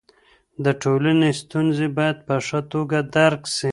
د ټولني ستونزې باید په ښه توګه درک سي.